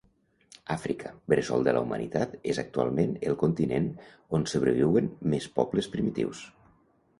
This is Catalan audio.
Àfrica, bressol de la humanitat, és actualment el continent on sobreviuen més pobles primitius.